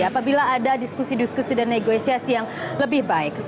apabila ada diskusi diskusi dan negosiasi yang lebih baik